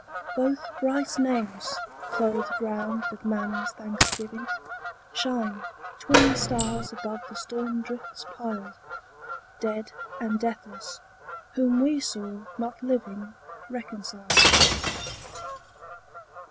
Both bright names, clothed round with man's thanksgiving, Shine, twin stars above the storm drifts piled, Dead and deathless, whom we saw not living Reconciled.